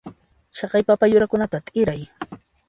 Chaqay papa yurakunata t'iray.